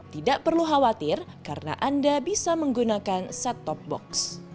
tidak perlu khawatir karena anda bisa menggunakan set top box